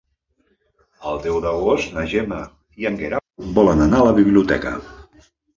El deu d'agost na Gemma i en Guerau volen anar a la biblioteca.